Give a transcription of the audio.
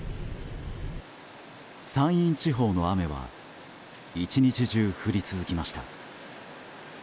山陰地方の雨は一日中降り続きました。